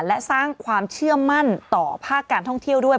และสร้างความเชื่อมั่นต่อภาคการท่องเที่ยวด้วย